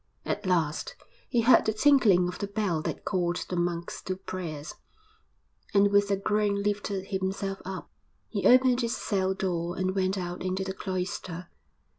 At last he heard the tinkling of the bell that called the monks to prayers, and with a groan lifted himself up. He opened his cell door and went out into the cloister.